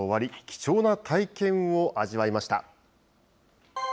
貴重な体験を味わいました。